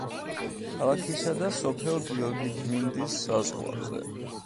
ქალაქისა და სოფელ გიორგიწმინდის საზღვარზე.